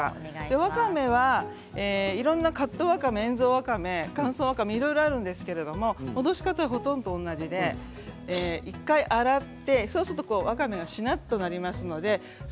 わかめはいろんな、カットわかめ塩蔵わかめ乾燥わかめ、いろいろありますが戻し方はほとんど同じで洗ってそうするとわかめがしなっとします。